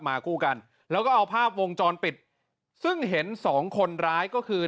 คู่กันแล้วก็เอาภาพวงจรปิดซึ่งเห็นสองคนร้ายก็คือ